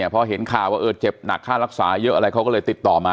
พอเห็นข่าวว่าเจ็บหนักค่ารักษาเยอะอะไรเขาก็เลยติดต่อมา